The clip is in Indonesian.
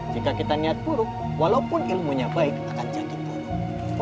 jika kita niat buruk walaupun ilmu yang baik akan menjadi buruk